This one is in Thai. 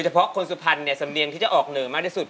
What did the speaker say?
เพาะคนสุพรรณเนี่ยสำเนียงที่จะออกเหนอมากที่สุด